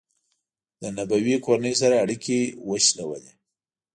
د نبوي کورنۍ سره یې اړیکې وشلولې.